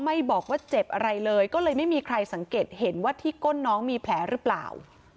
ไม่บอกว่าเจ็บอะไรเลยก็เลยไม่มีใครสังเกตเห็นว่าที่ก้นน้องมีแผลหรือเปล่า